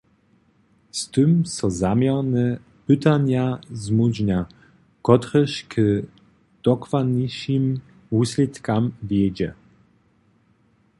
Z tym so zaměrne pytanje zmóžnja, kotrež k dokładnišim wuslědkam wjedźe.